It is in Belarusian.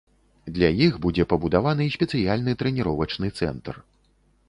Для іх будзе пабудаваны спецыяльны трэніровачны цэнтр.